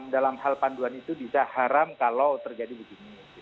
dalam hal panduan itu bisa haram kalau terjadi begini